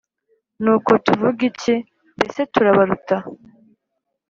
Nuko tuvuge iki, mbese turabaruta?